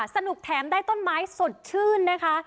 แถมได้ต้นไม้สดชื่นนะคะ